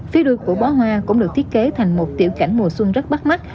phía đuôi của bó hoa cũng được thiết kế thành một tiểu cảnh mùa xuân rất bắt mắt